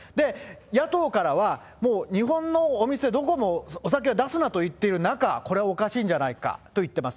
野党からは、もう日本のお店、どこもお酒は出すなと言ってる中、これはおかしいんじゃないかと言っています。